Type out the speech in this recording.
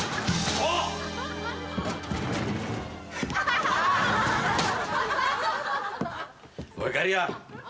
おいいかりや